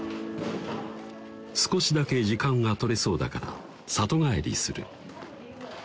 「少しだけ時間が取れそうだから里帰りする」